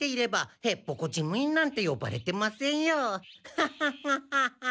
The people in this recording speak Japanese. ハハハハハ。